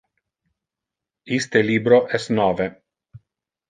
Iste libro es nove.